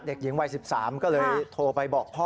เด็กหญิงวัย๑๓ก็เลยโทรไปบอกพ่อ